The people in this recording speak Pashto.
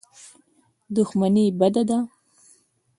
دښمني بده ده.